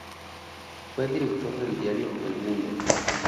Fue director del diario "El Mundo".